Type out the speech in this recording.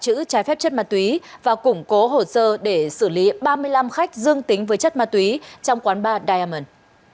công an thành phố tam kỳ đã tạm giữ chất ma túy và củng cố hồ sơ để xử lý ba mươi năm khách dương tính với chất ma túy trong quán bar diamond